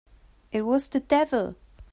It was the devil!